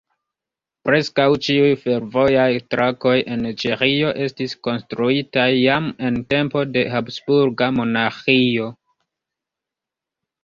Preskaŭ ĉiuj fervojaj trakoj en Ĉeĥio estis konstruitaj jam en tempo de Habsburga monarĥio.